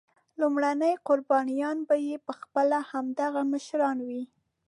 لومړني قربانیان به یې پخپله همدغه مشران وي.